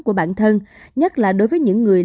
của bản thân nhất là đối với những người